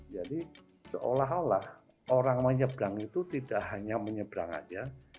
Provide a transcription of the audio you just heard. jadi seolah olah orang menyeberang itu tidak hanya menyeberang saja